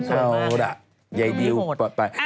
เอาล่ะยายดิวปลอดภัย